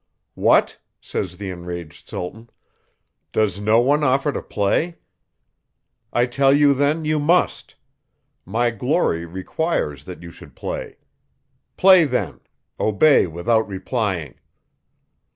What! says the enraged Sultan, _does no one offer to play? I tell you then you must; My glory requires that you should play. Play then; obey without replying.